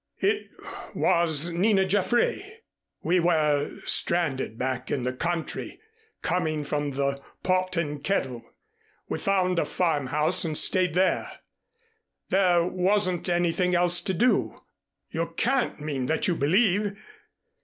It was Nina Jaffray. We were stranded back in the country coming from the 'Pot and Kettle.' We found a farmhouse and stayed there. There wasn't anything else to do. You can't mean that you believe